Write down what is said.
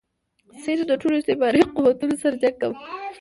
سید د ټولو استعماري قوتونو سره جنګ کاوه.